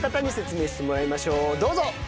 どうぞ。